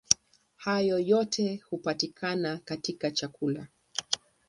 Hayo yote hupatikana katika chakula.